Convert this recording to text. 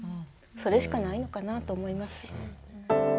それしかないのかなと思います。